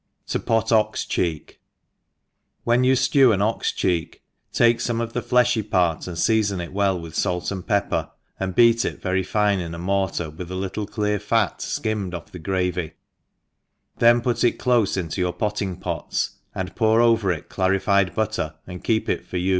# i I To pot Ox CuEFKf WHEN you ftew an ox cheek, take fomecf the flcfhy part and feafon it well with fait and pepptr, and beat it very fine in a mortar with a little clear fat Ikimmed g/F the gravy, thpn put 5 »? ENGLISH HOUSE KEEPER. 295 k clofc into your potting pots, and pour over it clariiied butter, and keep it for.